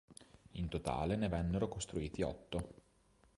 In totale, ne vennero costruiti otto.